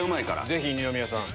ぜひ二宮さん。